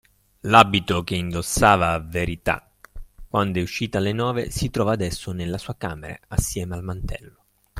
L'abito che indossava Verità quando è uscita alle nove si trova adesso nella sua camera, assieme al mantello.